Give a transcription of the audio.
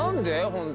ホント。